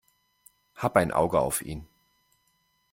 Hab ein Auge auf ihn.